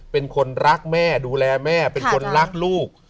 เป็นคนรักแม่ดูแลแม่เป็นคนรักลูก